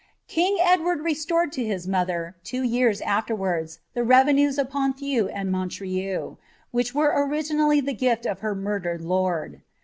King Edward restored to his mother, two years afterwards, the reve* nurs (li Ponthieu aud Montrieul, which were originally the gift of her mutdered lord.